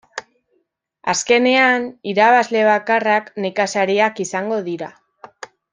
Azkenean irabazle bakarrak nekazariak izango dira.